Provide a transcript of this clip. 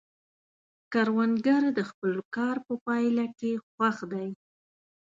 کروندګر د خپل کار په پایله کې خوښ دی